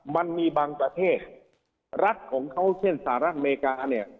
มันมีบางประเทศรัฐของเขาเช่นสหรัฐอเมริกาเนี่ย